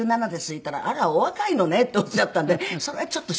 言うたら「あらお若いのね」っておっしゃったんでそれはちょっとショックでした。